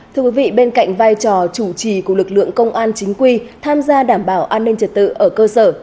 thưa quý vị bên cạnh vai trò chủ trì của lực lượng công an chính quy tham gia đảm bảo an ninh trật tự ở cơ sở